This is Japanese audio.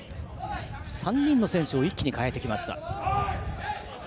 ３人の選手を一気に代えてきました。